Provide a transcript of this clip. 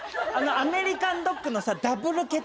あのアメリカンドッグのさダブル